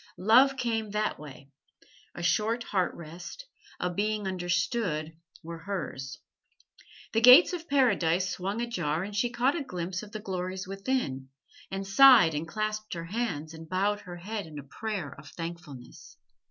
Love came that way a short heart rest, a being understood, were hers. The gates of Paradise swung ajar and she caught a glimpse of the glories within, and sighed and clasped her hands and bowed her head in a prayer of thankfulness.